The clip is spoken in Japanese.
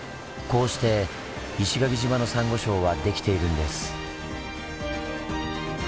こうして石垣島のサンゴ礁はできているんです。